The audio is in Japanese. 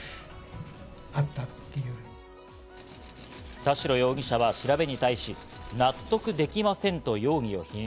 田代容疑者は調べに対し、納得できませんと容疑を否認。